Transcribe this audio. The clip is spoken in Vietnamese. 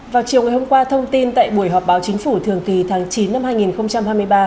vào chiều ngày hôm qua thông tin tại buổi họp báo chính phủ thường kỳ tháng chín năm hai nghìn hai mươi ba